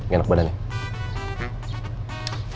gak enak badannya